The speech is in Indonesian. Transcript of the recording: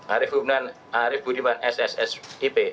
arif budiman ssip